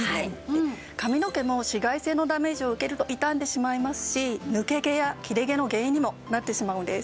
髪の毛も紫外線のダメージを受けると傷んでしまいますし抜け毛や切れ毛の原因にもなってしまうんです。